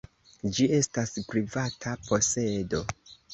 Ĝi estas privata posedo.